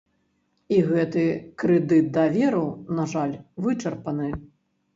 І гэты крэдыт даверу, на жаль, вычарпаны.